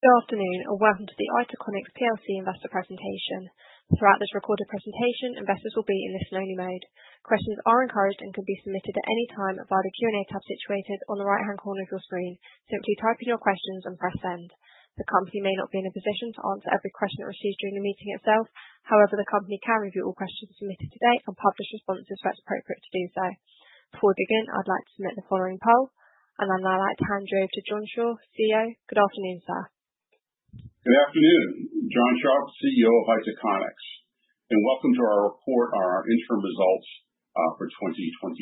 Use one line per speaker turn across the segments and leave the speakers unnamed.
Good afternoon, and welcome to the Itaconix plc investor presentation. Throughout this recorded presentation, investors will be in listen only mode. Questions are encouraged and can be submitted at any time via the Q&A tab situated on the right-hand corner of your screen. Simply type in your questions and press send. The company may not be in a position to answer every question received during the meeting itself. However, the company can review all questions submitted today and publish responses where it is appropriate to do so. Before we begin, I'd like to submit the following poll, and then I'd like to hand you over to John Shaw, CEO. Good afternoon, sir.
Good afternoon. John Shaw, CEO of Itaconix, welcome to our report on our interim results for 2025.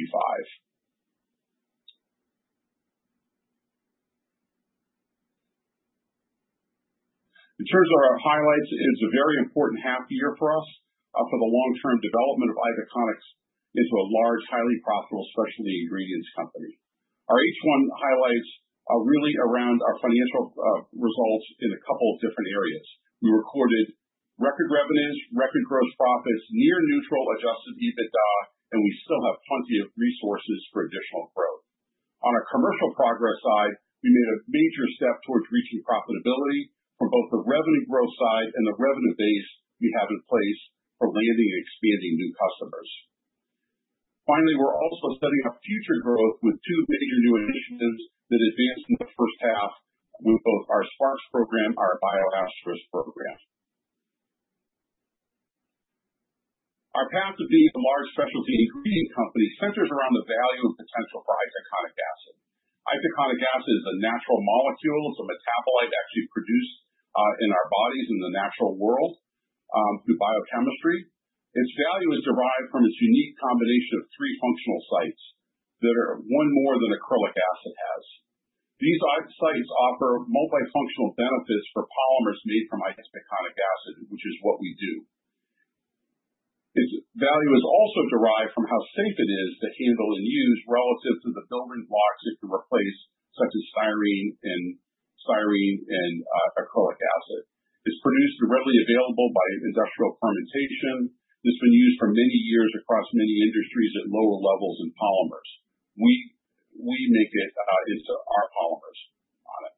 In terms of our highlights, it is a very important half year for us for the long-term development of Itaconix into a large, highly profitable specialty ingredients company. Our H1 highlights are really around our financial results in a couple of different areas. We recorded record revenues, record gross profits, near neutral adjusted EBITDA. We still have plenty of resources for additional growth. On our commercial progress side, we made a major step towards reaching profitability from both the revenue growth side and the revenue base we have in place for landing and expanding new customers. Finally, we're also setting up future growth with two major new initiatives that advanced in the first half with both our SPARX program and our BIO*Asterix program. Our path to being a large specialty ingredient company centers around the value and potential for itaconic acid. Itaconic acid is a natural molecule. It's a metabolite actually produced in our bodies in the natural world through biochemistry. Its value is derived from its unique combination of three functional sites that are one more than acrylic acid has. These itaconic sites offer multifunctional benefits for polymers made from itaconic acid, which is what we do. Its value is also derived from how safe it is to handle and use relative to the building blocks it can replace, such as styrene and acrylic acid. It's produced and readily available by industrial fermentation. It's been used for many years across many industries at lower levels in polymers. We make it into our polymers on it.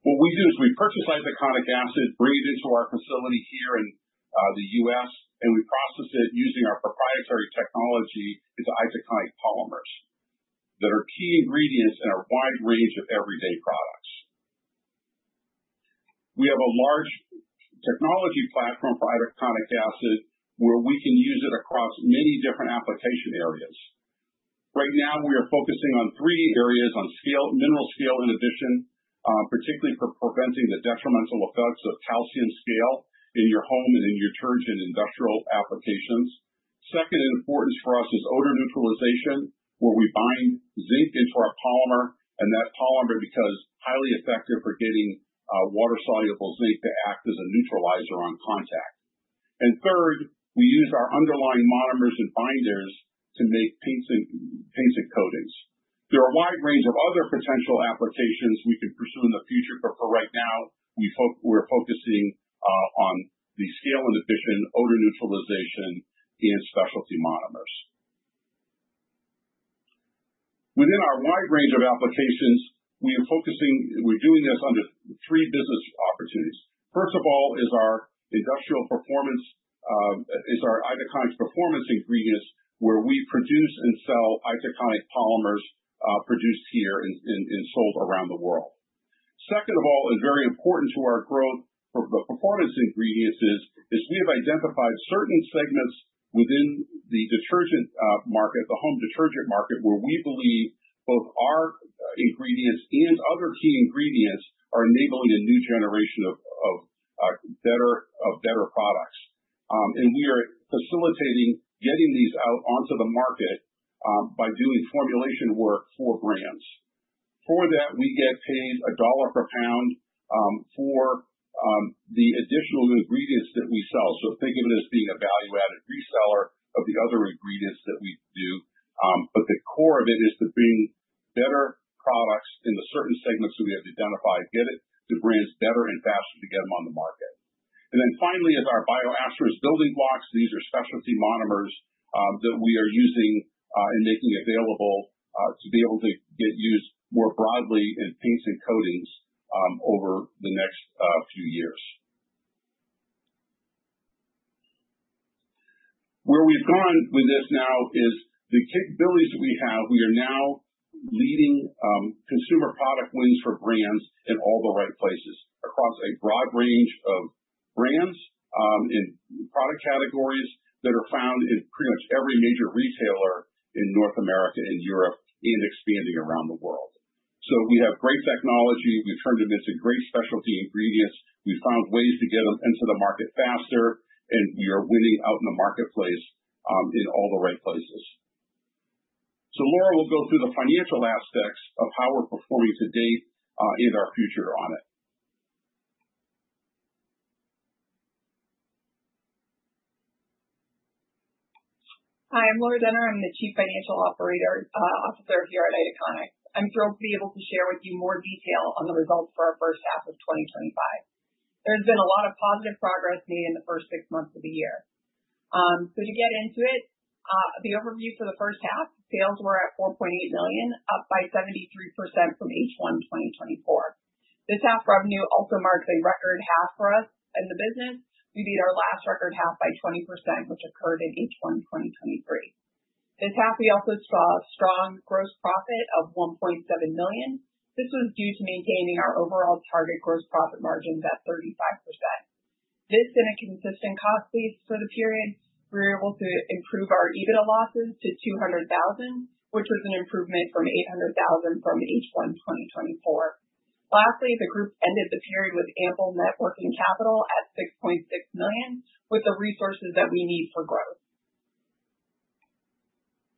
What we do is we purchase itaconic acid, bring it into our facility here in the U.S., and we process it using our proprietary technology into itaconic polymers that are key ingredients in our wide range of everyday products. We have a large technology platform for itaconic acid where we can use it across many different application areas. Right now we are focusing on three areas on mineral scale inhibition, particularly for preventing the detrimental effects of calcium scale in your home and in your detergent industrial applications. Second in importance for us is odor neutralization, where we bind zinc into our polymer and that polymer becomes highly effective for getting water-soluble zinc to act as a neutralizer on contact. Third, we use our underlying monomers and binders to make paints and coatings. There are a wide range of other potential applications we can pursue in the future, but for right now, we're focusing on the scale inhibition, odor neutralization, and specialty monomers. Within our wide range of applications, we're doing this under three business opportunities. First of all is our Itaconix Performance Ingredients, where we produce and sell itaconic polymers produced here and sold around the world. Second of all, and very important to our growth for the Performance Ingredients is we have identified certain segments within the detergent market, the home detergent market. Where we believe both our ingredients and other key ingredients are enabling a new generation of better products. We are facilitating getting these out onto the market by doing formulation work for brands. For that, we get paid a dollar per pound for the additional ingredients that we sell. Think of it as being a value-added reseller of the other ingredients that we do. The core of it is to bring better products in the certain segments that we have identified, get it to brands better and faster to get them on the market. Finally is our BIO*Asterix building blocks. These are specialty monomers that we are using and making available to be able to get used more broadly in paints and coatings over the next few years. Where we've gone with this now is the capabilities that we have. We are now leading consumer product wins for brands in all the right places across a broad range of brands, in product categories that are found in pretty much every major retailer in North America and Europe and expanding around the world. We have great technology. We've turned it into great specialty ingredients. We've found ways to get them into the market faster, we are winning out in the marketplace in all the right places. Laura will go through the financial aspects of how we're performing to date, and our future on it.
Hi, I'm Laura Denner. I'm the Chief Financial Officer here at Itaconix. I'm thrilled to be able to share with you more detail on the results for our first half of 2025. There's been a lot of positive progress made in the first six months of the year. To get into it, the overview for the first half, sales were at $4.8 million, up by 73% from H1 2024. This half revenue also marks a record half for us in the business. We beat our last record half by 20%, which occurred in H1 2023. This half, we also saw a strong gross profit of $1.7 million. This was due to maintaining our overall target gross profit margins at 35%. This and a consistent cost base for the period, we were able to improve our EBITDA losses to $200,000, which was an improvement from $800,000 from H1 2024. The group ended the period with ample net working capital at $6.6 million, with the resources that we need for growth.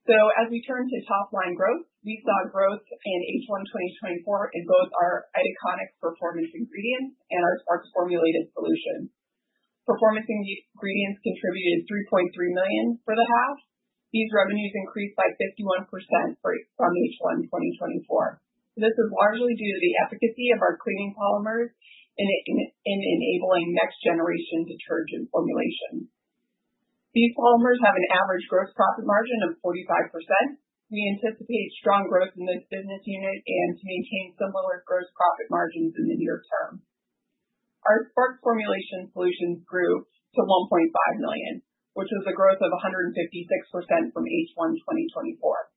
As we turn to top-line growth, we saw growth in H1 2024 in both our Itaconix Performance Ingredients and our SPARX formulated solutions. Performance Ingredients contributed $3.3 million for the half. These revenues increased by 51% from H1 2024. This is largely due to the efficacy of our cleaning polymers in enabling next-generation detergent formulations. These polymers have an average gross profit margin of 45%. We anticipate strong growth in this business unit and to maintain similar gross profit margins in the near term. Our SPARX formulation solutions grew to $1.5 million, which was a growth of 156% from H1 2024.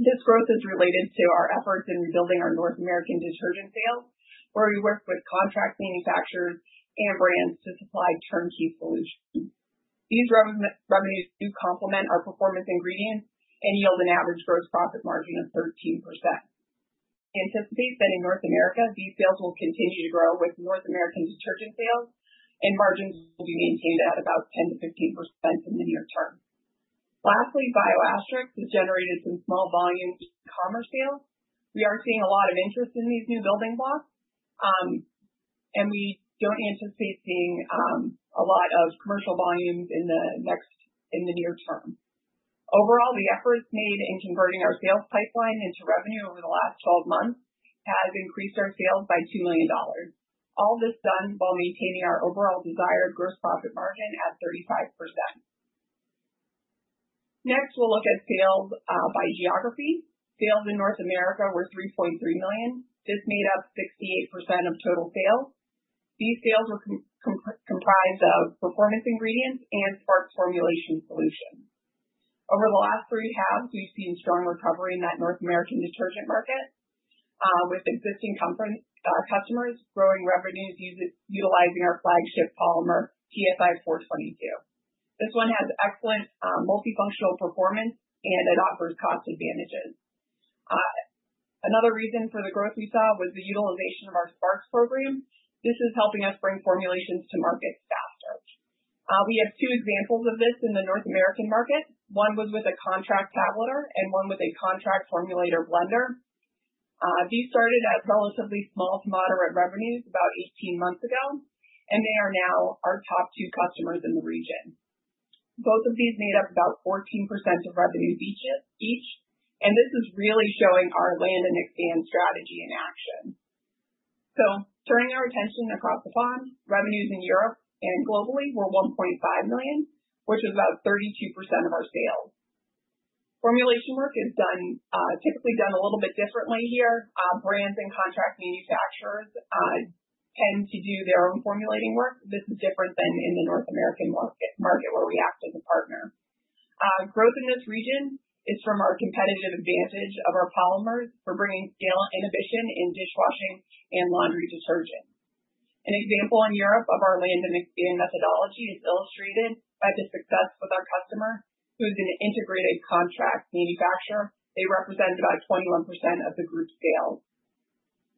This growth is related to our efforts in rebuilding our North American detergent sales, where we work with contract manufacturers and brands to supply turnkey solutions. These revenues do complement our Itaconix Performance Ingredients and yield an average gross profit margin of 13%. We anticipate that in North America, these sales will continue to grow with North American detergent sales, and margins will be maintained at about 10%-15% in the near term. Lastly, BIO*Asterix has generated some small volume e-commerce sales. We are seeing a lot of interest in these new building blocks, we don't anticipate seeing a lot of commercial volumes in the near term. Overall, the efforts made in converting our sales pipeline into revenue over the last 12 months has increased our sales by $2 million. All this done while maintaining our overall desired gross profit margin at 35%. Next, we'll look at sales by geography. Sales in North America were $3.3 million. This made up 68% of total sales. These sales were comprised of Itaconix Performance Ingredients and SPARX formulation solutions. Over the last three halves, we've seen strong recovery in that North American detergent market, with existing customers growing revenues utilizing our flagship polymer, TSI 322. This one has excellent multifunctional performance, and it offers cost advantages. Another reason for the growth we saw was the utilization of our SPARX program. This is helping us bring formulations to market faster. We have two examples of this in the North American market. One was with a contract tabletter and one with a contract formulator blender. These started as relatively small to moderate revenues about 18 months ago, and they are now our top two customers in the region. Both of these made up about 14% of revenues each. This is really showing our land and expand strategy in action. Turning our attention across the pond, revenues in Europe and globally were $1.5 million, which is about 32% of our sales. Formulation work is typically done a little bit differently here. Brands and contract manufacturers tend to do their own formulating work. This is different than in the North American market, where we act as a partner. Growth in this region is from our competitive advantage of our polymers for bringing innovation in dishwashing and laundry detergent. An example in Europe of our land and expand methodology is illustrated by the success with our customer, who's an integrated contract manufacturer. They represent about 21% of the group's sales.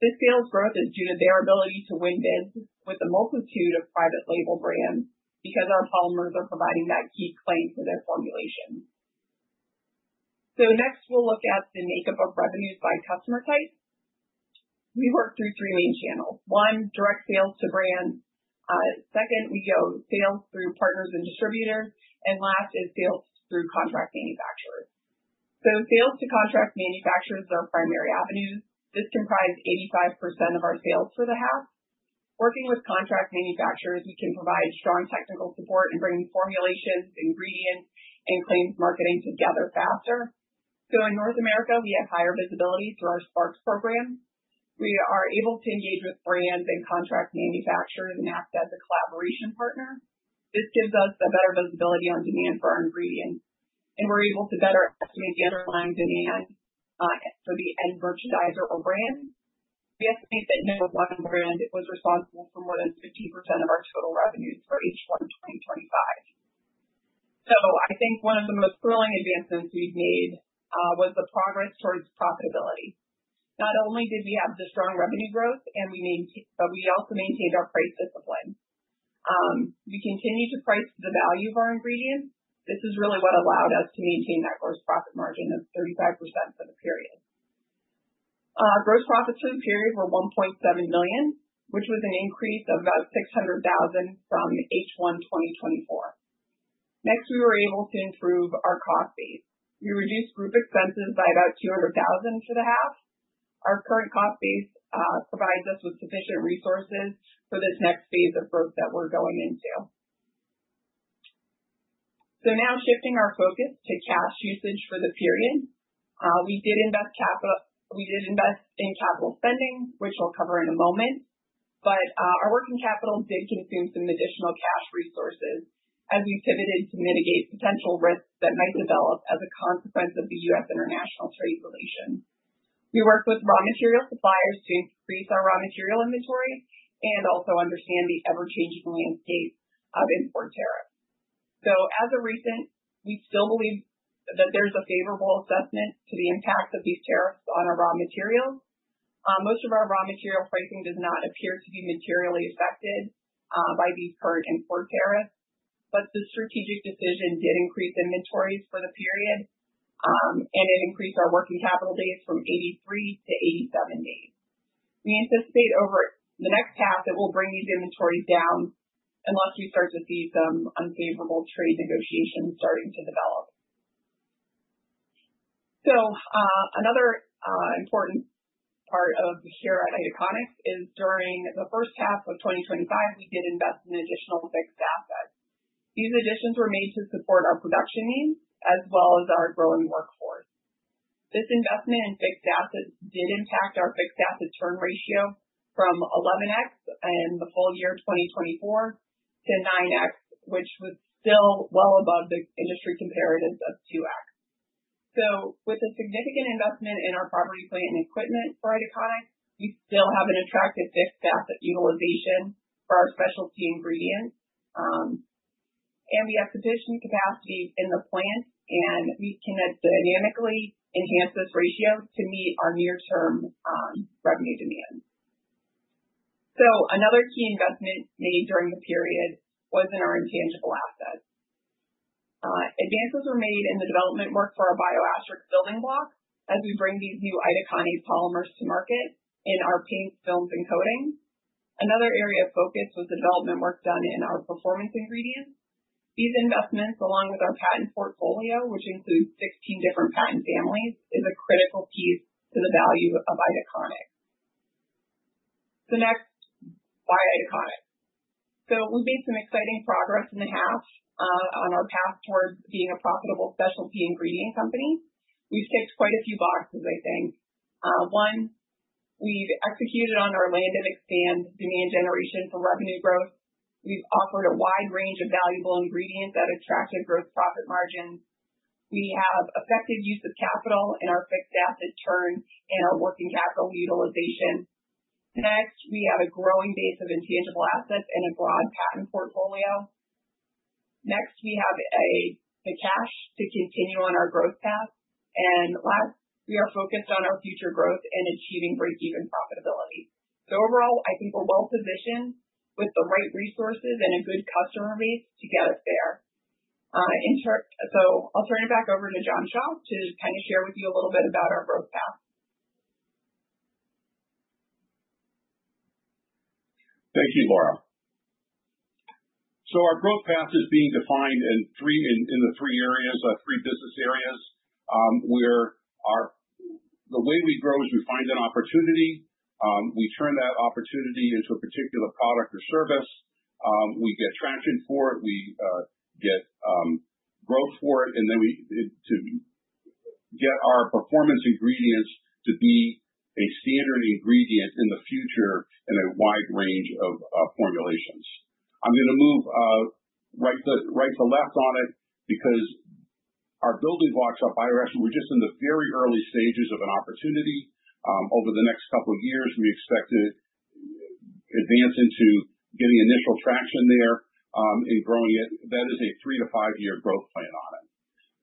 This sales growth is due to their ability to win bids with a multitude of private label brands because our polymers are providing that key claim for their formulation. Next, we'll look at the makeup of revenues by customer type. We work through three main channels. One, direct sales to brands. Second, we go sales through partners and distributors, and last is sales through contract manufacturers. Sales to contract manufacturers are our primary avenues. This comprised 85% of our sales for the half. Working with contract manufacturers, we can provide strong technical support in bringing formulations, ingredients, and claims marketing together faster. In North America, we have higher visibility through our SPARX program. We are able to engage with brands and contract manufacturers and act as a collaboration partner. This gives us a better visibility on demand for our ingredients, and we're able to better estimate the underlying demand for the end merchandiser or brand. We estimate that one brand was responsible for more than 50% of our total revenues for H1 2025. I think one of the most thrilling advancements we've made was the progress towards profitability. Not only did we have the strong revenue growth, but we also maintained our price discipline. We continue to price the value of our ingredients. This is really what allowed us to maintain that gross profit margin of 35% for the period. Gross profits for the period were $1.7 million, which was an increase of about $600,000 from H1 2024. We were able to improve our cost base. We reduced group expenses by about $200,000 for the half. Our current cost base provides us with sufficient resources for this next phase of growth that we're going into. Now shifting our focus to cash usage for the period. We did invest in capital spending, which I'll cover in a moment, our working capital did consume some additional cash resources as we pivoted to mitigate potential risks that might develop as a consequence of the U.S. international trade relations. We worked with raw material suppliers to increase our raw material inventories and also understand the ever-changing landscape of import tariffs. As of recent, we still believe that there's a favorable assessment to the impact of these tariffs on our raw materials. Most of our raw material pricing does not appear to be materially affected by these current import tariffs. The strategic decision did increase inventories for the period, and it increased our working capital days from 83-87 days. We anticipate over the next half that we'll bring these inventories down unless we start to see some unfavorable trade negotiations starting to develop. Another important part of the share at Itaconix is during the first half of 2025, we did invest in additional fixed assets. These additions were made to support our production needs as well as our growing workforce. This investment in fixed assets did impact our fixed asset turn ratio from 11x in the full year 2024 to 9x, which was still well above the industry comparatives of 2x. With the significant investment in our property, plant, and equipment for Itaconix, we still have an attractive fixed asset utilization for our specialty ingredients. We have sufficient capacity in the plant, and we can dynamically enhance this ratio to meet our near-term revenue demands. Another key investment made during the period was in our intangible assets. Advances were made in the development work for our bio-acrylic building block as we bring these new Itaconix polymers to market in our paints, films, and coatings. Another area of focus was development work done in our Performance Ingredients. These investments, along with our patent portfolio, which includes 16 different patent families, is a critical piece to the value of Itaconix. Next, why Itaconix? We've made some exciting progress in the half on our path towards being a profitable specialty ingredient company. We've ticked quite a few boxes, I think. One, we've executed on our land and expand demand generation for revenue growth. We've offered a wide range of valuable ingredients that attracted growth profit margins. We have effective use of capital in our fixed asset turn and our working capital utilization. Next, we have a growing base of intangible assets and a broad patent portfolio. Next, we have the cash to continue on our growth path. Last, we are focused on our future growth and achieving breakeven profitability. Overall, I think we're well-positioned with the right resources and a good customer base to get us there. I'll turn it back over to John Shaw to share with you a little bit about our growth path.
Thank you, Laura. Our growth path is being defined in the three areas, three business areas, where the way we grow is we find an opportunity, we turn that opportunity into a particular product or service, we get traction for it, we get growth for it, and then to get our Performance Ingredients to be a standard ingredient in the future in a wide range of formulations. I'm going to move right to left on it because our building blocks on bio-acrylic, we're just in the very early stages of an opportunity. Over the next couple of years, we expect to advance into getting initial traction there and growing it. That is a three to five-year growth plan on it.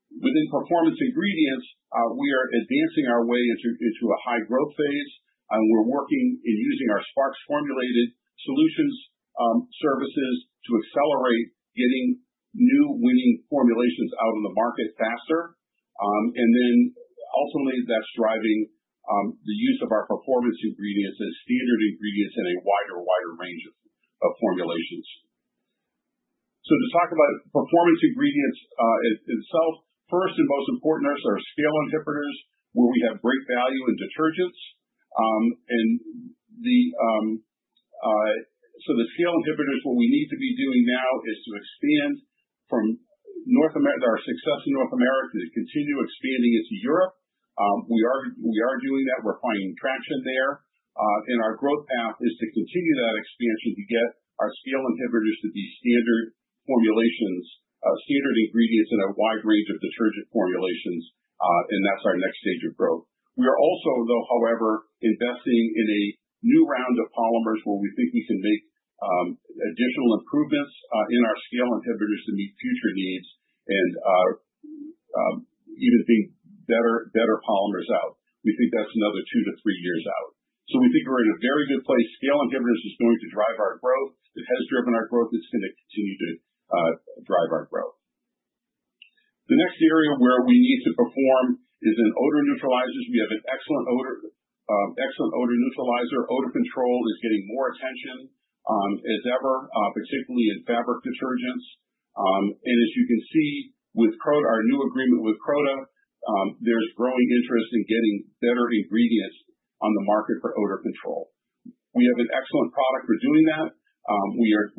Within Performance Ingredients, we are advancing our way into a high growth phase, and we're working in using our SPARX formulated solutions services to accelerate getting new winning formulations out in the market faster. Then ultimately, that's driving the use of our Performance Ingredients as standard ingredients in a wider range of formulations. To talk about Performance Ingredients itself, first and most important are our scale inhibitors, where we have great value in detergents. The scale inhibitors, what we need to be doing now is to expand from our success in North America to continue expanding into Europe. We are doing that. We're finding traction there. Our growth path is to continue that expansion to get our scale inhibitors to be standard formulations, standard ingredients in a wide range of detergent formulations, and that's our next stage of growth. We are also, though, however, investing in a new round of polymers where we think we can make additional improvements in our scale inhibitors to meet future needs and even bring better polymers out. We think that's another two to three years out. We think we're in a very good place. Scale inhibitors is going to drive our growth. It has driven our growth. It's going to continue to drive our growth. The next area where we need to perform is in odor neutralizers. We have an excellent odor neutralizer. Odor control is getting more attention as ever, particularly in fabric detergents. As you can see with our new agreement with Croda, there's growing interest in getting better ingredients on the market for odor control. We have an excellent product for doing that.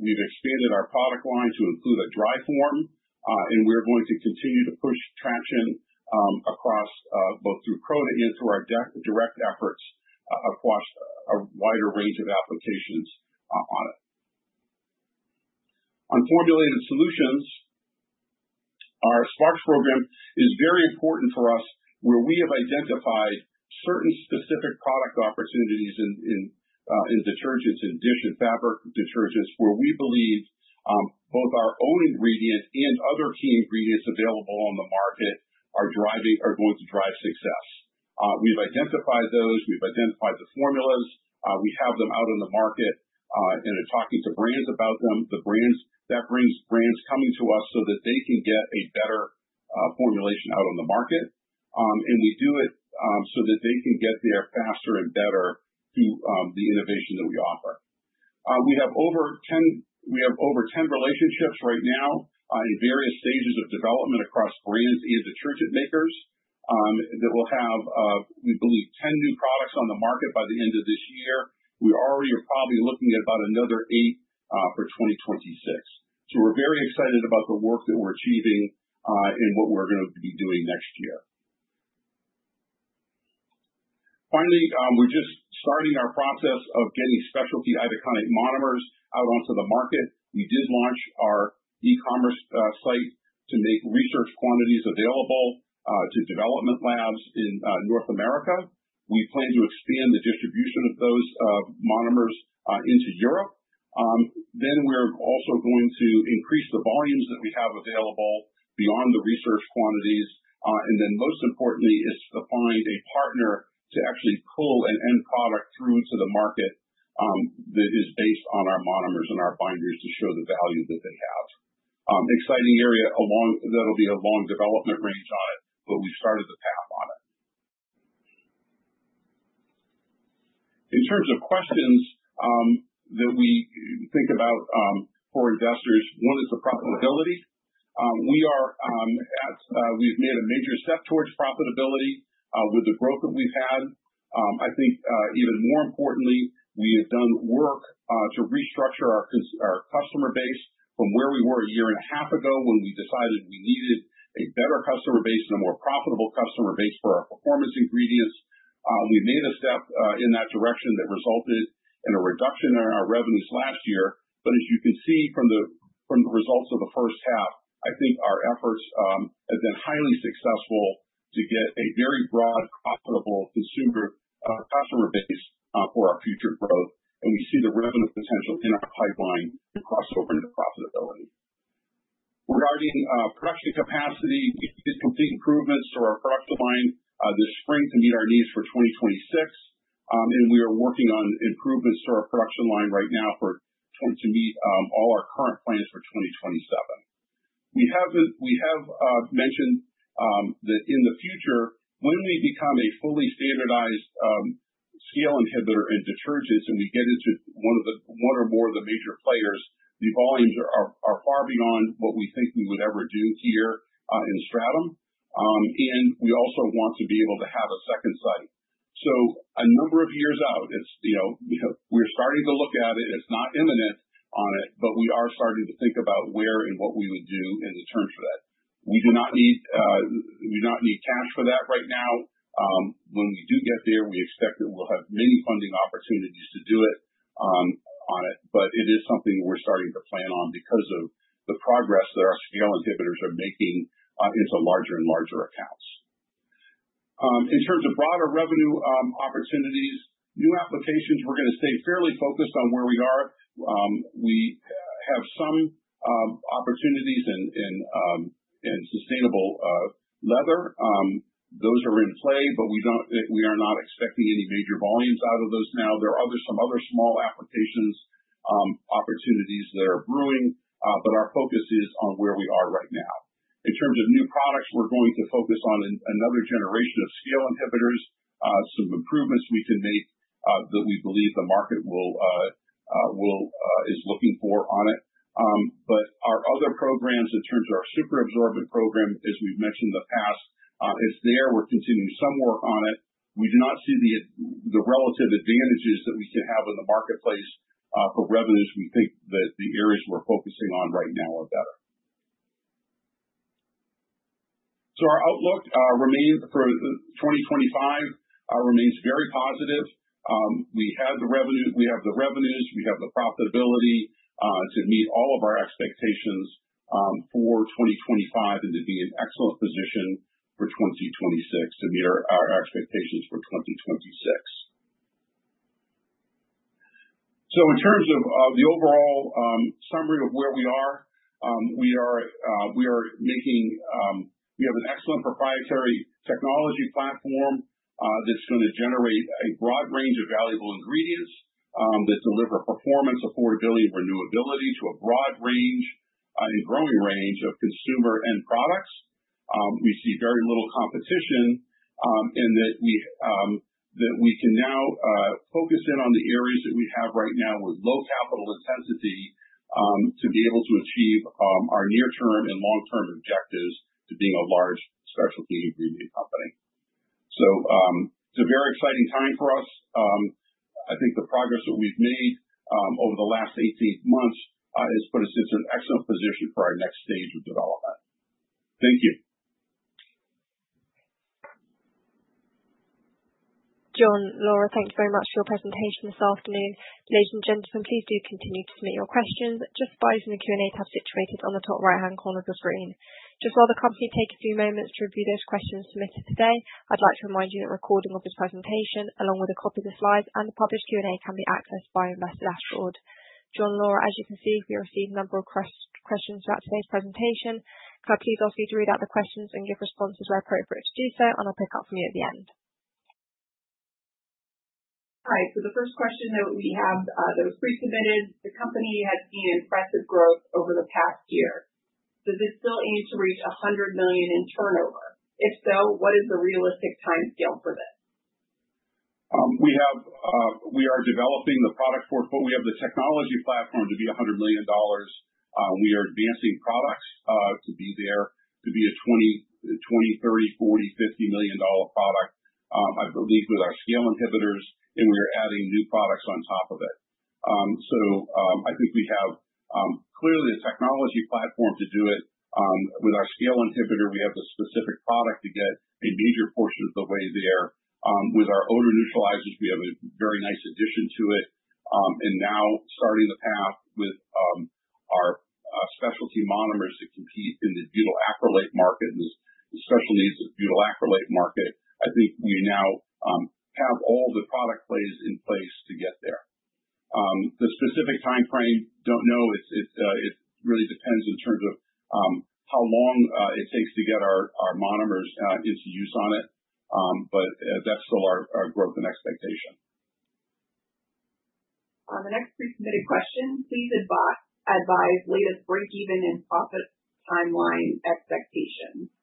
We've expanded our product line to include a dry form, and we're going to continue to push traction both through Croda and through our direct efforts across a wider range of applications on it. On formulated solutions, our SPARX program is very important for us, where we have identified certain specific product opportunities in detergents, in dish and fabric detergents, where we believe both our own ingredient and other key ingredients available on the market are going to drive success. We've identified those, we've identified the formulas, we have them out in the market, and are talking to brands about them. That brings brands coming to us so that they can get a better formulation out on the market. We do it so that they can get there faster and better through the innovation that we offer. We have over 10 relationships right now in various stages of development across brands and detergent makers, that we'll have, we believe, 10 new products on the market by the end of this year. We already are probably looking at about another eight for 2026. We're very excited about the work that we're achieving, and what we're going to be doing next year. Finally, we're just starting our process of getting specialty itaconic monomers out onto the market. We did launch our e-commerce site to make research quantities available to development labs in North America. We plan to expand the distribution of those monomers into Europe. We're also going to increase the volumes that we have available beyond the research quantities. Most importantly is to find a partner to actually pull an end product through to the market that is based on our monomers and our binders to show the value that they have. Exciting area that'll be a long development range on it, but we've started the path on it. In terms of questions that we think about for investors, one is the profitability. We've made a major step towards profitability with the growth that we've had. I think even more importantly, we have done work to restructure our customer base from where we were a year and a half ago when we decided we needed a better customer base and a more profitable customer base for our Performance Ingredients. We made a step in that direction that resulted in a reduction in our revenues last year. As you can see from the results of the first half, I think our efforts have been highly successful to get a very broad, profitable consumer, customer base for our future growth. We see the revenue potential in our pipeline to cross over into profitability. Regarding production capacity, we did complete improvements to our production line this spring to meet our needs for 2026. We are working on improvements to our production line right now to meet all our current plans for 2027. We have mentioned that in the future, when we become a fully standardized scale inhibitor in detergents, and we get into one or more of the major players, the volumes are far beyond what we think we would ever do here in Stratham. We also want to be able to have a second site. A number of years out, we're starting to look at it. It's not imminent on it, but we are starting to think about where and what we would do in the terms of that. We do not need cash for that right now. When we do get there, we expect that we'll have many funding opportunities to do it on it, but it is something we're starting to plan on because of the progress that our scale inhibitors are making into larger and larger accounts. In terms of broader revenue opportunities, new applications, we're going to stay fairly focused on where we are. We have some opportunities in sustainable leather. Those are in play, but we are not expecting any major volumes out of those now. There are some other small applications, opportunities that are brewing, but our focus is on where we are right now. In terms of new products, we're going to focus on another generation of scale inhibitors, some improvements we can make that we believe the market is looking for on it. Our other programs, in terms of our superabsorbent program, as we've mentioned in the past, is there. We're continuing some work on it. We do not see the relative advantages that we can have in the marketplace for revenues. We think that the areas we're focusing on right now are better. Our outlook for 2025 remains very positive. We have the revenues, we have the profitability to meet all of our expectations for 2025 and to be in excellent position for 2026 to meet our expectations for 2026. In terms of the overall summary of where we are, we have an excellent proprietary technology platform that's going to generate a broad range of valuable ingredients that deliver performance, affordability, and renewability to a broad range and growing range of consumer end products. We see very little competition in that we can now focus in on the areas that we have right now with low capital intensity to be able to achieve our near-term and long-term objectives to being a large specialty ingredient company. It's a very exciting time for us. I think the progress that we've made over the last 18 months has put us in an excellent position for our next stage of development. Thank you.
John, Laura, thank you very much for your presentation this afternoon. Ladies and gentlemen, please do continue to submit your questions just by using the Q&A tab situated on the top right-hand corner of the screen. Just while the company takes a few moments to review those questions submitted today, I'd like to remind you that a recording of this presentation, along with a copy of the slides and the published Q&A, can be accessed by investors afterward. John, Laura, as you can see, we received a number of questions throughout today's presentation. Could I please ask you to read out the questions and give responses where appropriate to do so, and I'll pick up from you at the end.
The first question that we have that was pre-submitted. The company has seen impressive growth over the past year. Does it still aim to reach $100 million in turnover? If so, what is the realistic timescale for this?
We are developing the product portfolio, we have the technology platform to be $100 million. We are advancing products to be there, to be a $20 million, $30 million, $40 million, $50 million product, I believe with our scale inhibitors, and we are adding new products on top of it. I think we have clearly the technology platform to do it. With our scale inhibitor, we have the specific product to get a major portion of the way there. With our odor neutralizers, we have a very nice addition to it. Now starting the path with our specialty monomers to compete in the butyl acrylate market and the special needs of butyl acrylate market. I think we now have all the product plays in place to get there. The specific timeframe, don't know. It really depends in terms of how long it takes to get our monomers into use on it. That's still our growth and expectation.
The next pre-submitted question. Please advise latest breakeven and profit timeline expectations.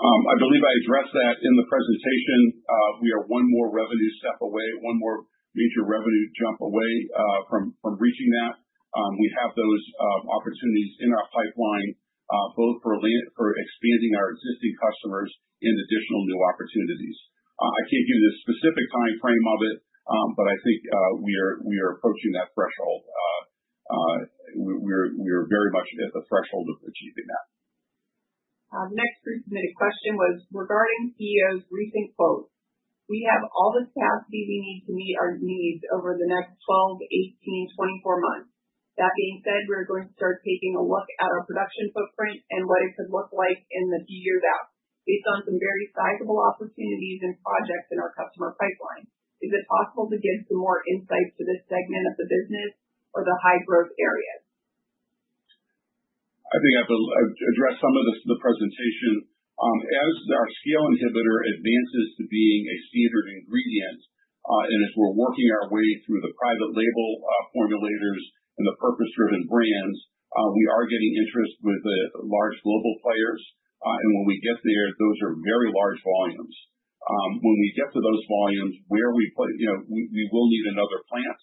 I believe I addressed that in the presentation. We are one more revenue step away, one more major revenue jump away from reaching that. We have those opportunities in our pipeline both for expanding our existing customers and additional new opportunities. I can't give you the specific timeframe of it, but I think we are approaching that threshold. We're very much at the threshold of achieving that.
Next pre-submitted question was regarding CEO's recent quotes. We have all the capacity we need to meet our needs over the next 12, 18, 24 months. That being said, we're going to start taking a look at our production footprint and what it could look like in the few years out based on some very sizable opportunities and projects in our customer pipeline. Is it possible to give some more insights to this segment of the business or the high-growth areas?
I think I addressed some of this in the presentation. As our scale inhibitor advances to being a standard ingredient, and as we're working our way through the private label formulators and the purpose-driven brands, we are getting interest with the large global players. When we get there, those are very large volumes. When we get to those volumes, we will need another plant.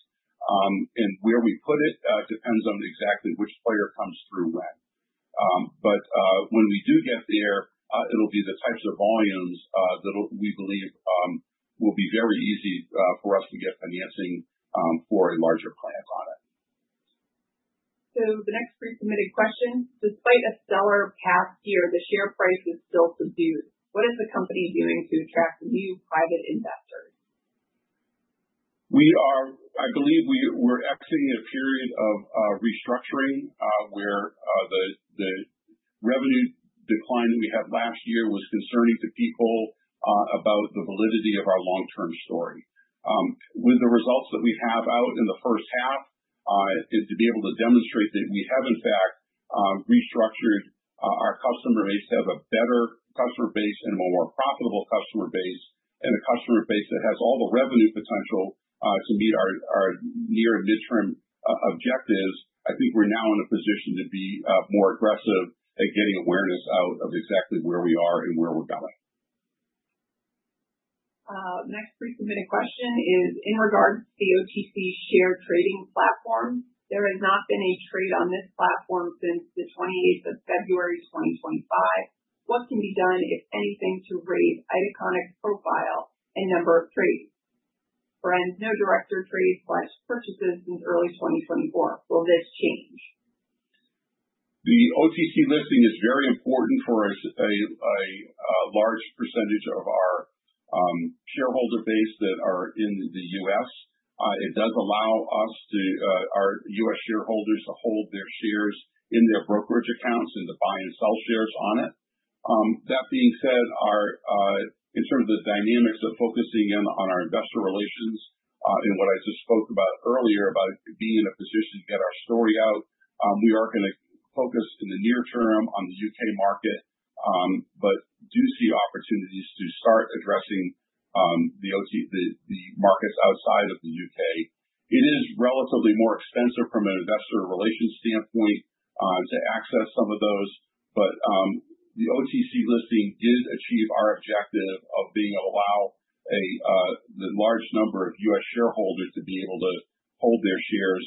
Where we put it depends on exactly which player comes through when. When we do get there, it'll be the types of volumes that we believe will be very easy for us to get financing for a larger plant on it.
The next pre-submitted question. Despite a stellar past year, the share price is still subdued. What is the company doing to attract new private investors?
I believe we're exiting a period of restructuring, where the revenue decline that we had last year was concerning to people about the validity of our long-term story. With the results that we have out in the first half, to be able to demonstrate that we have in fact restructured our customer base to have a better customer base and a more profitable customer base, and a customer base that has all the revenue potential to meet our near and midterm objectives. I think we're now in a position to be more aggressive at getting awareness out of exactly where we are and where we're going.
Next pre-submitted question is in regards to the OTC share trading platform. There has not been a trade on this platform since the 28th of February 2025. What can be done, if anything, to raise Itaconix profile and number of trades? For instance, no director trades/purchases since early 2024. Will this change?
The OTC listing is very important for a large percentage of our shareholder base that are in the U.S. It does allow our U.S. shareholders to hold their shares in their brokerage accounts and to buy and sell shares on it. That being said, in terms of the dynamics of focusing in on our investor relations, in what I just spoke about earlier, about being in a position to get our story out, we are going to focus in the near term on the U.K. market. Do see opportunities to start addressing the markets outside of the U.K. It is relatively more expensive from an investor relations standpoint to access some of those, but the OTC listing did achieve our objective of being able to allow the large number of U.S. shareholders to be able to hold their shares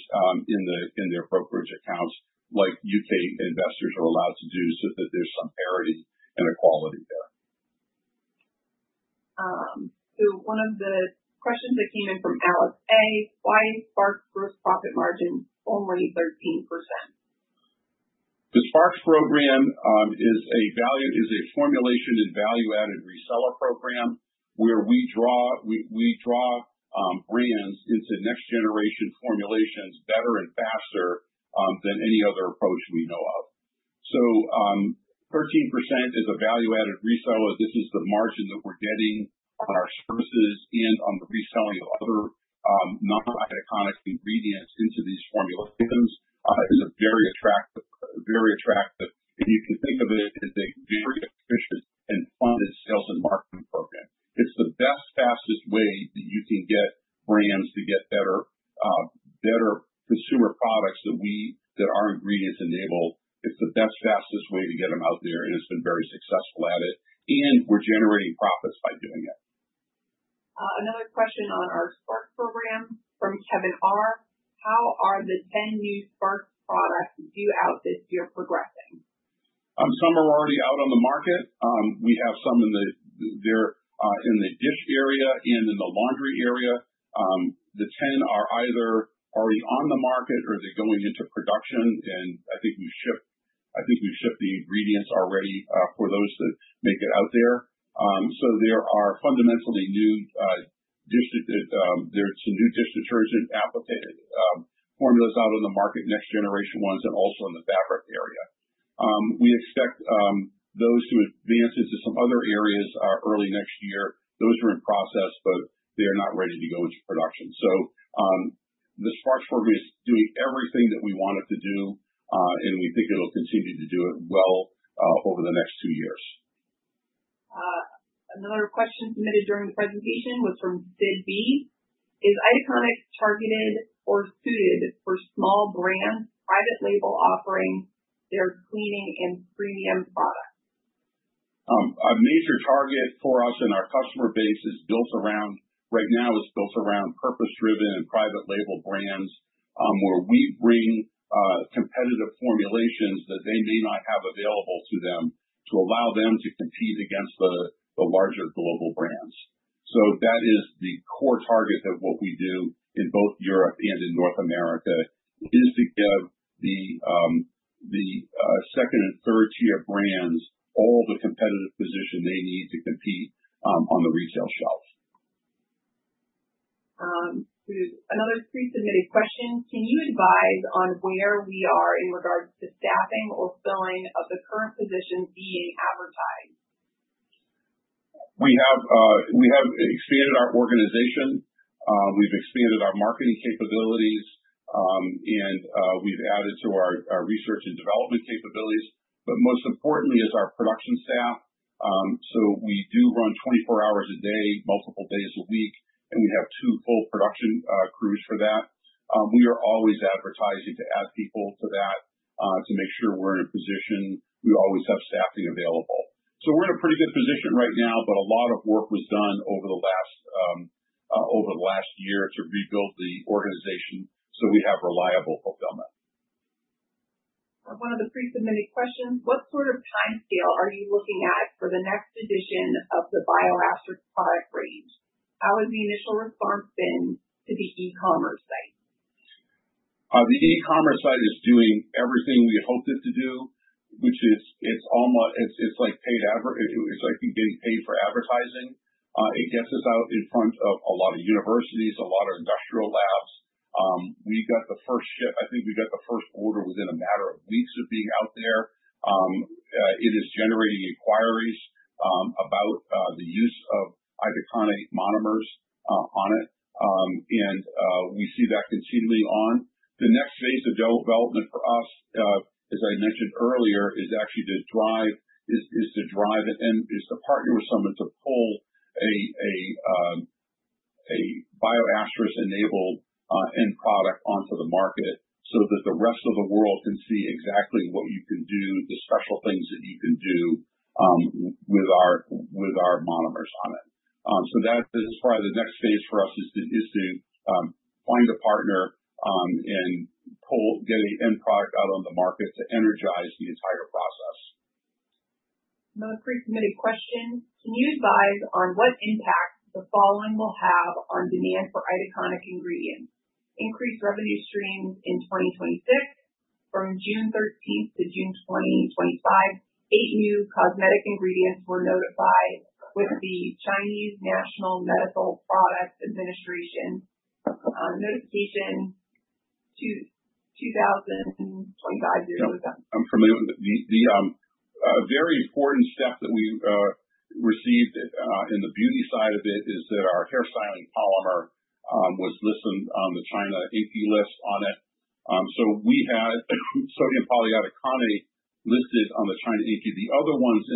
in their brokerage accounts like U.K. investors are allowed to do, so that there's some parity and equality there.
One of the questions that came in from Alex A, why is SPARX's gross profit margin only 13%?
The SPARX program is a formulation and value-added reseller program where we draw brands into next generation formulations better and faster than any other approach we know of. 13% is a value-added reseller. This is the margin that we're getting on our services and on the reselling of other non-Itaconix ingredients into these formulations. It is very attractive, and you can think of it as a very efficient and funded sales and marketing program. It's the best, fastest way that you can get brands to get better consumer products that our ingredients enable. It's the best, fastest way to get them out there, and it's been very successful at it, and we're generating profits by doing it.
Another question on our SPARX program from Kevin R, how are the 10 new SPARX products due out this year progressing?
Some are already out on the market. We have some in the dish area and in the laundry area. The 10 are either already on the market or they're going into production. I think we've shipped the ingredients already for those to make it out there. There are fundamentally some new dish detergent applicated formulas out on the market, next generation ones, and also in the fabric area. We expect those to advance into some other areas early next year. Those are in process, but they are not ready to go into production. The SPARX program is doing everything that we want it to do, and we think it'll continue to do it well over the next two years.
Another question submitted during the presentation was from Sid B, is Itaconix targeted or suited for small brand private label offerings that are cleaning and premium products?
A major target for us and our customer base right now is built around purpose-driven and private label brands, where we bring competitive formulations that they may not have available to them to allow them to compete against the larger global brands. That is the core target of what we do in both Europe and in North America, is to give the second and third tier brands all the competitive position they need to compete on the retail shelves.
Another pre-submitted question, can you advise on where we are in regards to staffing or filling of the current positions being advertised?
We have expanded our organization. We've expanded our marketing capabilities, and we've added to our research and development capabilities. Most importantly is our production staff. We do run 24 hours a day, multiple days a week, and we have two full production crews for that. We are always advertising to add people to that to make sure we're in position. We always have staffing available. We're in a pretty good position right now, but a lot of work was done over the last year to rebuild the organization, so we have reliable fulfillment.
One of the pre-submitted questions, what sort of timescale are you looking at for the next edition of the BIO*Asterix product range? How has the initial response been to the e-commerce site?
The e-commerce site is doing everything we had hoped it to do, which is like getting paid for advertising. It gets us out in front of a lot of universities, a lot of industrial labs. I think we got the first order within a matter of weeks of being out there. It is generating inquiries about the use of itaconic monomers on it. We see that continuing on. The next phase of development for us, as I mentioned earlier, is to partner with someone to pull a BIO*Asterix-enabled end product onto the market so that the rest of the world can see exactly what you can do, the special things that you can do with our monomers on it. That is probably the next phase for us, is to find a partner, and get an end product out on the market to energize the entire process.
Another pre-submitted question, can you advise on what impact the following will have on demand for Itaconic ingredients? Increased revenue streams in 2026 from June 13th to June 2025. Eight new cosmetic ingredients were notified with the National Medical Products Administration Notification 2025.
I'm familiar with it. The very important step that we received in the beauty side of it is that our hair styling polymer was listed on the China INCI list on it. We had sodium polyitaconate listed on the China INCI. The other ones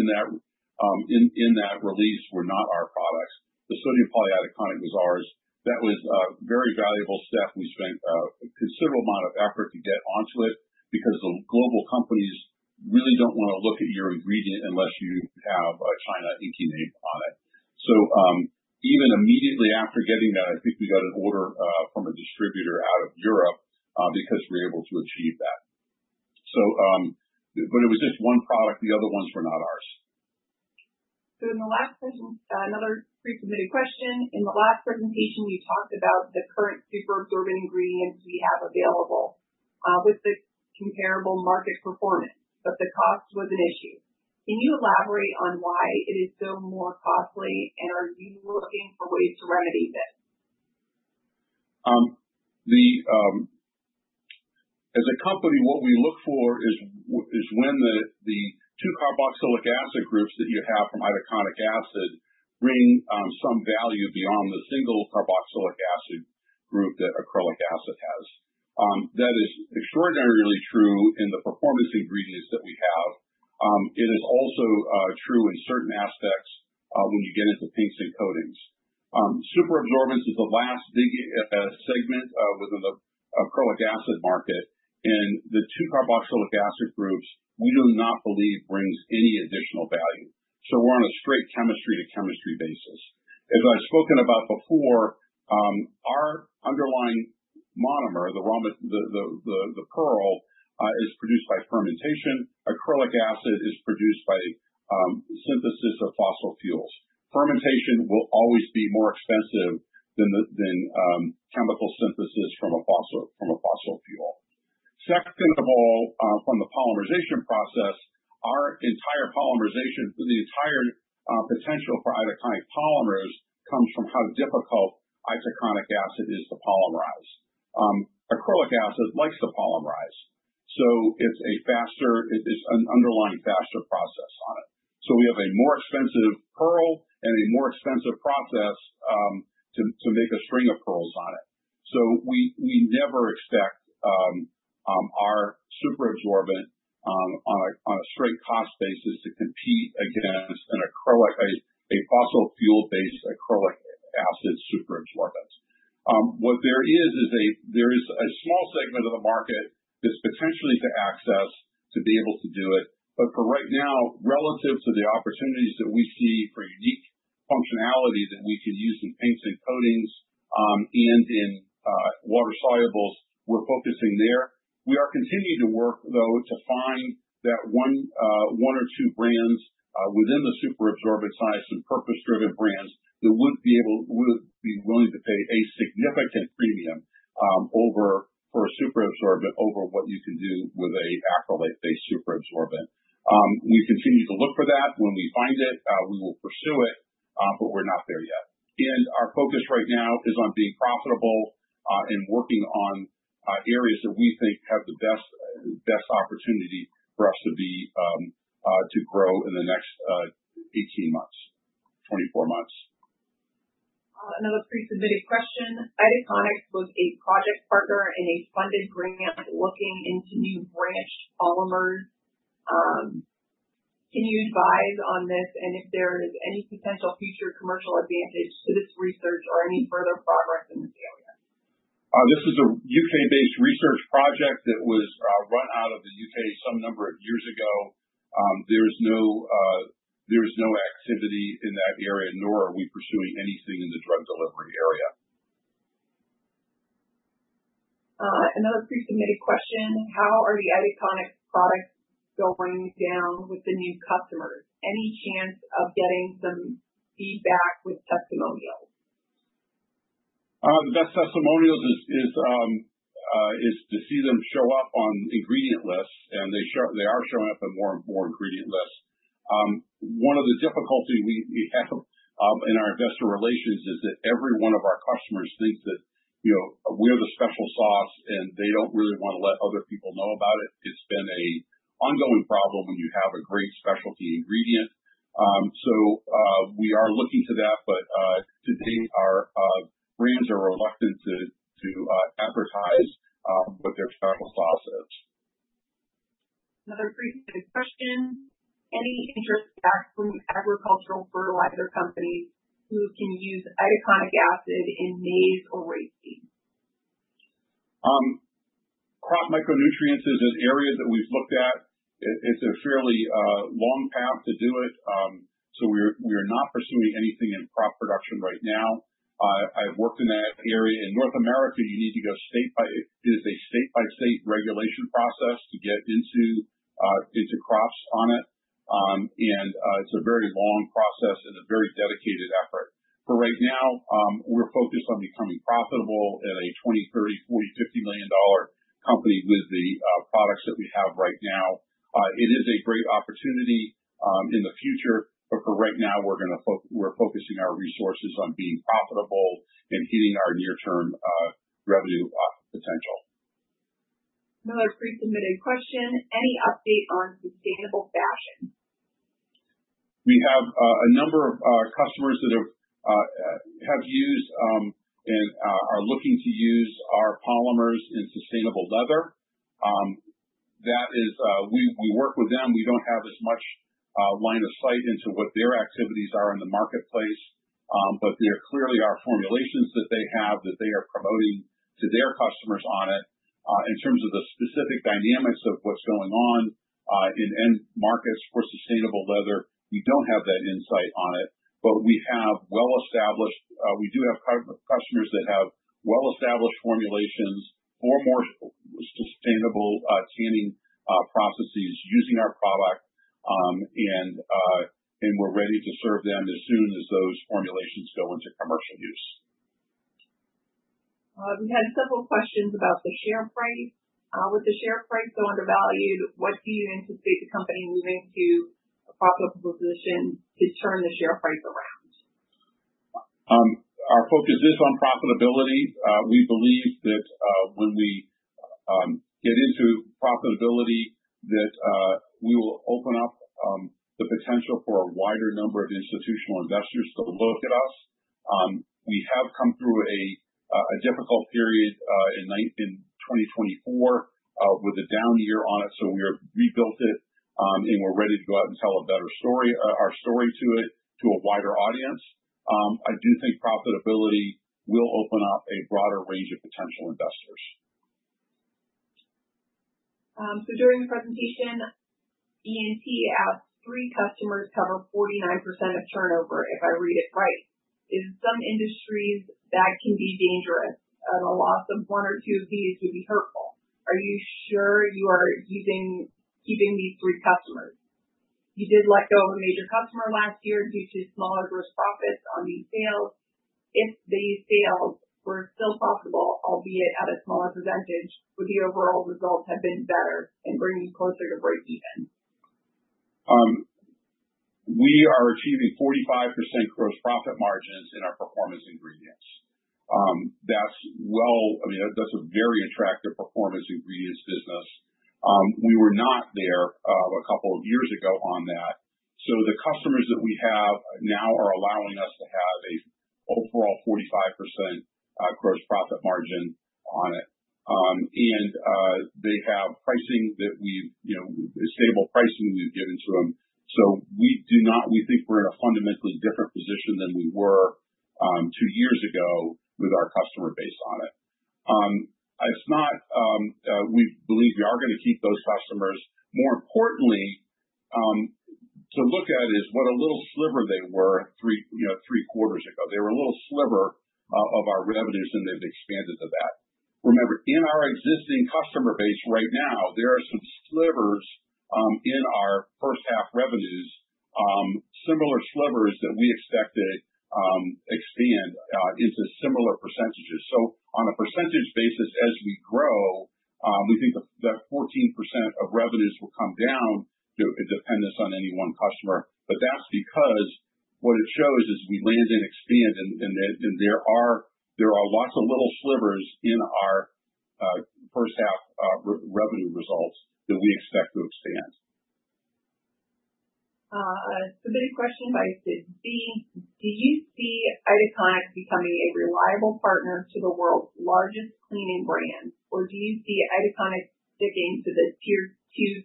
in that release were not our products. The sodium polyitaconate was ours. That was a very valuable step, and we spent a considerable amount of effort to get onto it because the global companies really don't want to look at your ingredient unless you have a China INCI name on it. Even immediately after getting that, I think we got an order from a distributor out of Europe because we were able to achieve that. It was just one product. The other ones were not ours.
Another pre-submitted question. In the last presentation, we talked about the current superabsorbent ingredients we have available, with the comparable market performance, but the cost was an issue. Can you elaborate on why it is so more costly, and are you looking for ways to remedy this?
As a company, what we look for is when the two carboxylic acid groups that you have from itaconic acid bring some value beyond the single carboxylic acid group that acrylic acid has. That is extraordinarily true in the performance ingredients that we have. It is also true in certain aspects when you get into paints and coatings. Superabsorbence is the last big segment within the acrylic acid market, and the two carboxylic acid groups, we do not believe brings any additional value. We're on a straight chemistry-to-chemistry basis. As I've spoken about before, our underlying monomer, the monomer, is produced by fermentation. Acrylic acid is produced by synthesis of fossil fuels. Fermentation will always be more expensive than chemical synthesis from a fossil fuel. Second of all, from the polymerization process, our entire polymerization for the entire potential for itaconic polymers comes from how difficult itaconic acid is to polymerize. acrylic acid likes to polymerize, so it's an underlying faster process on it. We have a more expensive monomer and a more expensive process to make a string of pearls on it. We never expect our superabsorbent, on a straight cost basis, to compete against a fossil fuel-based acrylic acid superabsorbents. What there is a small segment of the market that's potentially to access to be able to do it. For right now, relative to the opportunities that we see for unique functionality that we could use in paints and coatings, and in water solubles, we're focusing there. We are continuing to work, though, to find that one or two brands within the superabsorbent science and purpose-driven brands that would be willing to pay a significant premium for a superabsorbent over what you can do with an acrylate-based superabsorbent. We continue to look for that. When we find it, we will pursue it, but we're not there yet. Our focus right now is on being profitable, and working on areas that we think have the best opportunity for us to grow in the next 18 months, 24 months.
Another pre-submitted question. Itaconix was a project partner in a funded grant looking into new branched polymers. Can you advise on this, and if there is any potential future commercial advantage to this research or any further progress in this area?
This is a U.K.-based research project that was run out of the U.K. some number of years ago. There is no activity in that area, nor are we pursuing anything in the drug delivery area.
Another pre-submitted question. How are the Itaconix products going down with the new customers? Any chance of getting some feedback with testimonials?
The best testimonials is to see them show up on ingredient lists, and they are showing up on more and more ingredient lists. One of the difficulty we have in our investor relations is that every one of our customers thinks that we have the special sauce, and they don't really want to let other people know about it. It's been an ongoing problem when you have a great specialty ingredient. We are looking to that, but to date, our brands are reluctant to advertise what their special sauce is.
Another pre-submitted question. Any interest back from agricultural fertilizer companies who can use itaconic acid in maize or wheat seed?
Crop micronutrients is an area that we've looked at. It's a fairly long path to do it. We're not pursuing anything in crop production right now. I've worked in that area. In North America, it is a state-by-state regulation process to get into crops on it. It's a very long process and a very dedicated effort. For right now, we're focused on becoming profitable at a $20 million, $30 million, $40 million, $50 million company with the products that we have right now. It is a great opportunity in the future. For right now, we're focusing our resources on being profitable and hitting our near-term revenue potential.
Another pre-submitted question. Any update on sustainable fashion?
We have a number of customers that have used, and are looking to use our polymers in sustainable leather. We work with them. We don't have as much line of sight into what their activities are in the marketplace, but there clearly are formulations that they have that they are promoting to their customers on it. In terms of the specific dynamics of what's going on in end markets for sustainable leather, we don't have that insight on it, but we do have customers that have well-established formulations for more sustainable tanning processes using our product, and we're ready to serve them as soon as those formulations go into commercial use.
We had several questions about the share price. With the share price so undervalued, what do you anticipate the company moving to a profitable position to turn the share price around?
Our focus is on profitability. We believe that when we get into profitability, that we will open up the potential for a wider number of institutional investors to look at us. We have come through a difficult period, in 2024, with a down year on it, so we have rebuilt it, and we're ready to go out and tell our story to a wider audience. I do think profitability will open up a broader range of potential investors.
During the presentation, Ian T. asked, three customers cover 49% of turnover, if I read it right. In some industries, that can be dangerous. The loss of one or two of these would be hurtful. Are you sure you are keeping these three customers? You did let go of a major customer last year due to smaller gross profits on these sales. If these sales were still profitable, albeit at a smaller percentage, would the overall results have been better in bringing you closer to breakeven?
We are achieving 45% gross profit margins in our performance ingredients. That's a very attractive performance ingredients business. We were not there a couple of years ago on that. The customers that we have now are allowing us to have a overall 45% gross profit margin on it. They have stable pricing we've given to them. We think we're in a fundamentally different position than we were two years ago with our customer base on it. We believe we are going to keep those customers. More importantly, to look at is what a little sliver they were three quarters ago. They were a little sliver of our revenues, and they've expanded to that. Remember, in our existing customer base right now, there are some slivers in our first half revenues, similar slivers that we expect to expand into similar percentages. On a percentage basis, as we grow, we think that 14% of revenues will come down to a dependence on any one customer. That's because what it shows is we land and expand, and there are lots of little slivers in our first half revenue results that we expect to expand.
A submitted question by Sid Z. Do you see Itaconix becoming a reliable partner to the world's largest cleaning brands, or do you see Itaconix sticking to the Tier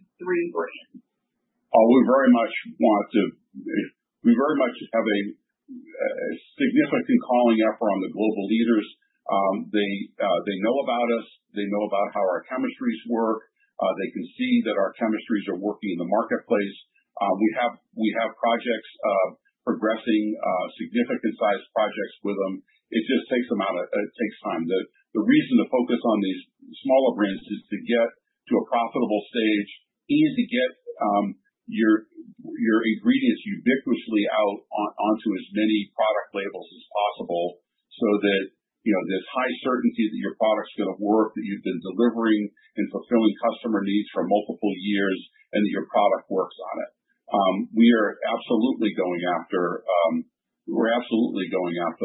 2, 3 brands?
We very much have a significant calling out from the global leaders. They know about us. They know about how our chemistries work. They can see that our chemistries are working in the marketplace. We have projects progressing, significant sized projects with them. It just takes time. The reason to focus on these smaller brands is to get to a profitable stage and to get your ingredients ubiquitously out onto as many product labels as possible, so that there's high certainty that your product's going to work, that you've been delivering and fulfilling customer needs for multiple years, and that your product works on it. We're absolutely going after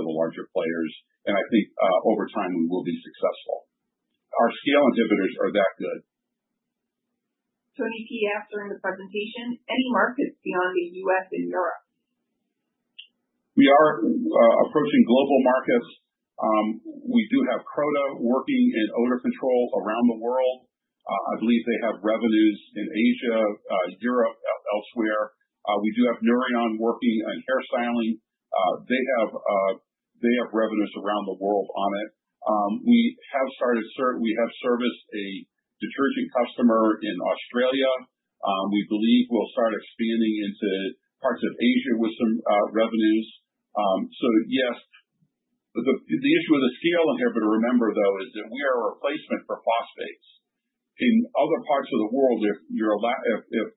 the larger players, and I think, over time, we will be successful. Our scale inhibitors are that good.
Tony T. asked during the presentation, any markets beyond the U.S. and Europe?
We are approaching global markets. We do have Croda working in odor control around the world. I believe they have revenues in Asia, Europe, elsewhere. We do have Nouryon working on hair styling. They have revenues around the world on it. We have serviced a detergent customer in Australia. We believe we'll start expanding into parts of Asia with some revenues. Yes. The issue with the scale inhibitor, remember though, is that we are a replacement for phosphates. In other parts of the world, if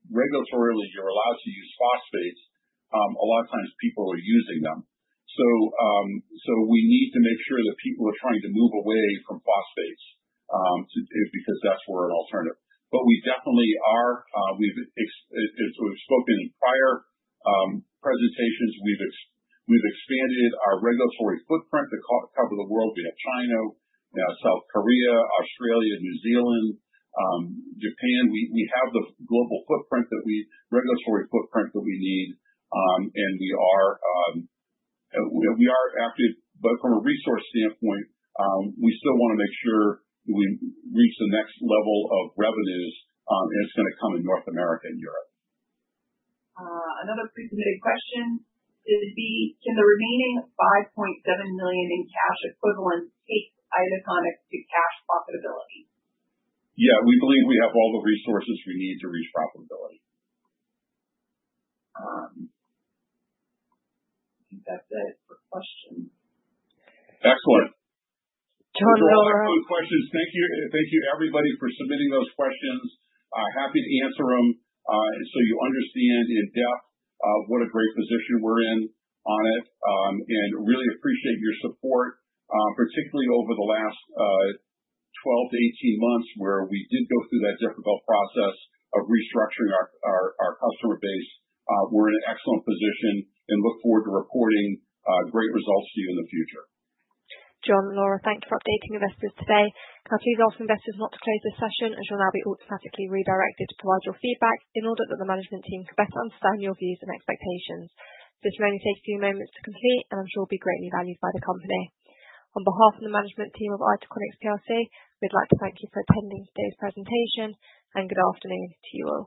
regulatorily you're allowed to use phosphates, a lot of times people are using them. We need to make sure that people are trying to move away from phosphates, because that's where an alternative. We definitely are. As we've spoken in prior presentations, we've expanded our regulatory footprint to cover the world. We have China, now South Korea, Australia, New Zealand, Japan. We have the regulatory footprint that we need, and we are active. From a resource standpoint, we still want to make sure we reach the next level of revenues, and it's going to come in North America and Europe.
Another pre-submitted question. Sid Z., can the remaining $5.7 million in cash equivalents take Itaconix to cash profitability?
Yeah, we believe we have all the resources we need to reach profitability.
I think that's it for questions.
Excellent.
John and Laura.
Those were all good questions. Thank you everybody for submitting those questions. Happy to answer them, so you understand in depth what a great position we're in on it. Really appreciate your support, particularly over the last 12-18 months, where we did go through that difficult process of restructuring our customer base. We're in an excellent position and look forward to reporting great results to you in the future.
John and Laura, thank you for updating investors today. Can I please ask investors not to close this session as you'll now be automatically redirected to provide your feedback in order that the management team can better understand your views and expectations. This will only take a few moments to complete and I'm sure will be greatly valued by the company. On behalf of the management team of Itaconix plc, we'd like to thank you for attending today's presentation, and good afternoon to you all.